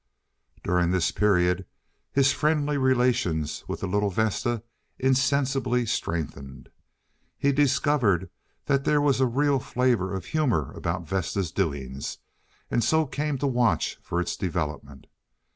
During this period his friendly relations with the little Vesta insensibly strengthened. He discovered that there was a real flavor of humor about Vesta's doings, and so came to watch for its development.